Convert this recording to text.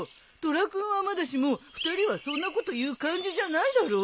虎君はまだしも二人はそんなこと言う感じじゃないだろ。